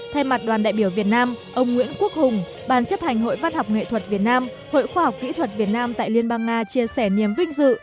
thay mặt đoàn đại biểu việt nam ông nguyễn quốc hùng bàn chấp hành hội văn học nghệ thuật việt nam hội khoa học kỹ thuật việt nam tại liên bang nga chia sẻ niềm vinh dự